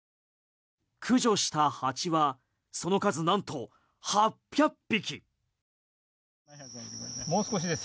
駆除した蜂はその数なんと８００匹。